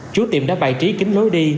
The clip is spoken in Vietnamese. chú tiệm đã bài trí kính lối đi